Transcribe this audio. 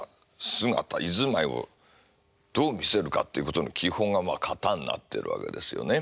姿居ずまいをどう見せるかっていうことの基本が型になってるわけですよね。